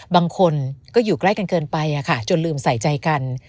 บางคนก็อยู่ใกล้กันเกินไปจนลืมใส่ใจกัน